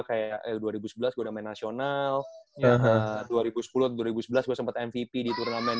kayak dua ribu sebelas gue udah main nasional dua ribu sepuluh dua ribu sebelas gue sempat mvp di turnamen